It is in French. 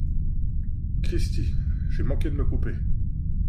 Cristi ! j’ai manqué de me couper !